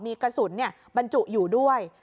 มีกระสุนบรรจุอยู่ด้วย